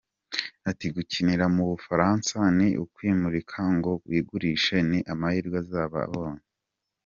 Ati” Gukinira mu Bufaransa ni ukwimurika ngo wigurishe ni amahirwe azaba abonye.